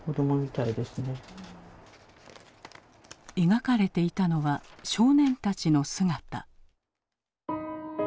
描かれていたのは少年たちの姿。